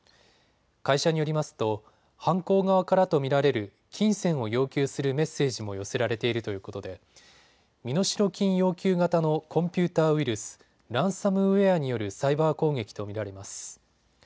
会社によりますと犯行側からと見られる金銭を要求するメッセージも寄せられているということで身代金要求型のコンピューターウイルス、ランサムウエアによるサイバー攻撃と見られます。